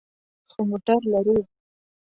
خو موټر لرو